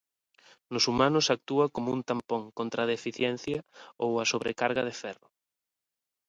Nos humanos actúa como un tampón contra a deficiencia ou a sobrecarga de ferro.